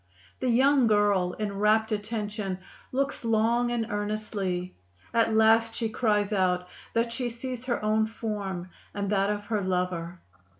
The young girl, in rapt attention, looks long and earnestly; at last she cries out that she sees her own form and that of her lover.